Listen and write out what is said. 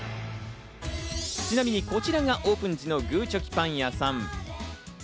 ちなみにこちらがオープン時のぐーちょきパン屋さん。